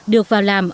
được vào làm